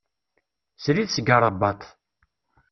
Srid seg Ṛebbat.